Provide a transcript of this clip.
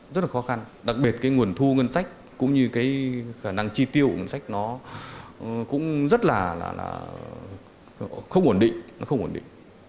rất là khó khăn đặc biệt cái nguồn thu ngân sách cũng như cái khả năng chi tiêu của ngân sách nó cũng rất là không ổn định nó không ổn định